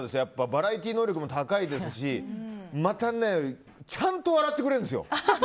バラエティー能力も高いですしまた、ちゃんと笑ってくれるんですよ。